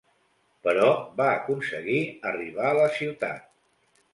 Però va aconseguir arribar a la ciutat.